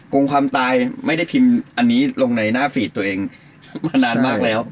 งงความตายไม่ได้พิมพ์อันนี้ลงในหน้าฟีดตัวเองมานานมากแล้ว